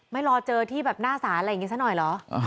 รอเจอที่แบบหน้าศาลอะไรอย่างนี้ซะหน่อยเหรอ